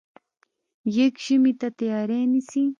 يږ ژمي ته تیاری نیسي.